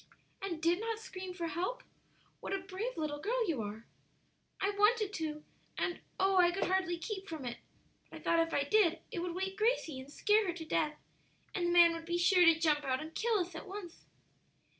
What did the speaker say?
"And did not scream for help! What a brave little girl you are!" "I wanted to, and, oh, I could hardly keep from it! But I thought if I did it would wake Gracie and scare her to death, and the man would be sure to jump out and kill us at once."